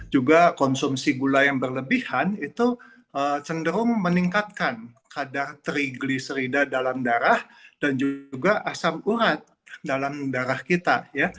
juga konsumsi gula yang berlebihan itu cenderung meningkatkan kadar triglicerida dalam darah dan juga asam urat dalam darah kita